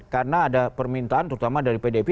karena ada permintaan terutama dari pdp